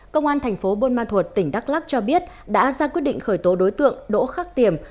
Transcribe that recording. công an thành phố buôn ma thuột tỉnh đắk lắc cho biết đã ra quyết định khởi tố đối tượng đỗ khắc tiềm